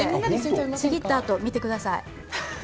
ちぎった跡を見てください。